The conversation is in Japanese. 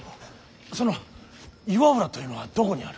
その岩浦というのはどこにある。